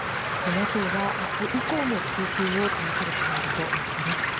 野党は明日以降も追及を続ける構えだということです。